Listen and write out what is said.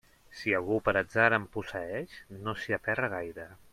Si algú per atzar en posseeix, no s'hi aferra gaire.